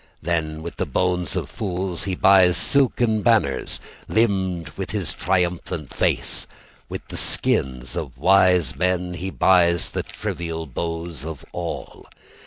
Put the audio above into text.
Then, with the bones of fools He buys silken banners Limned with his triumphant face; With the skins of wise men He buys the trivial bows of all.